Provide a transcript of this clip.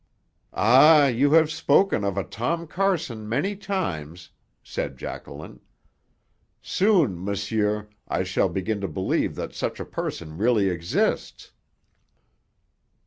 "Ah, you have spoken of a Tom Carson many times," said Jacqueline. "Soon, monsieur, I shall begin to believe that such a person really exists."